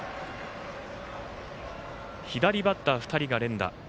左バッター２人が連打。